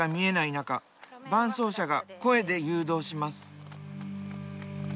中伴走者が声で誘導します。